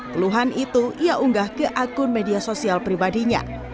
keluhan itu ia unggah ke akun media sosial pribadinya